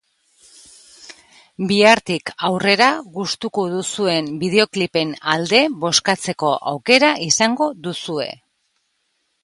Bihartik aurrera gustuko duzuen bideoklipen alde bozkatzeko aukera izango duzue.